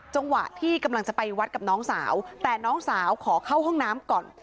จังหวะที่กำลังจะไปวัดกับน้องสาวแต่น้องสาวขอเข้าห้องน้ำก่อน